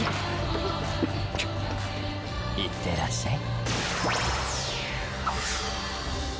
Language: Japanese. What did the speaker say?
いってらっしゃい。